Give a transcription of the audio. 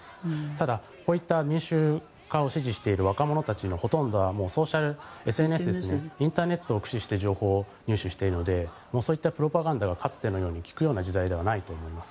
ただ、こういった民主化を支持している若者たちのほとんどはソーシャル、ＳＮＳインターネットを駆使して情報を駆使しているのでそういったプロパガンダがかつてのように効く時代ではないと思います。